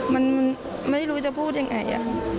มันไม่รู้จะพูดยังไง